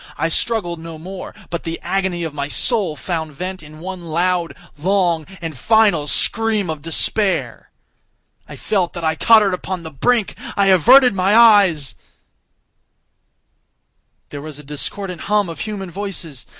I struggled no more, but the agony of my soul found vent in one loud, long, and final scream of despair. I felt that I tottered upon the brink—I averted my eyes— There was a discordant hum of human voices!